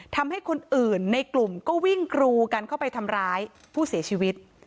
ทำให้คนอื่นในกลุ่มก็วิ่งกรูกันเข้าไปทำร้ายผู้เสียชีวิต